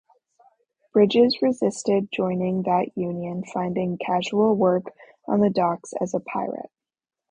Bridges resisted joining that union, finding casual work on the docks as a "pirate".